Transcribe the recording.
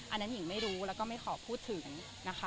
อันนั้นหญิงไม่รู้แล้วก็ไม่ขอพูดถึงนะคะ